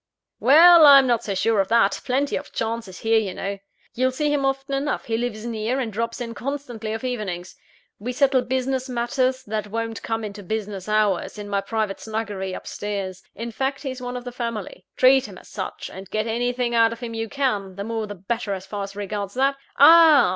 "Well: I'm not so sure of that plenty of chances here, you know. You'll see him often enough: he lives near, and drops in constantly of evenings. We settle business matters that won't come into business hours, in my private snuggery up stairs. In fact, he's one of the family; treat him as such, and get anything out of him you can the more the better, as far as regards that. Ah!